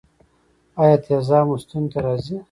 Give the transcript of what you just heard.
ایا تیزاب مو ستوني ته راځي؟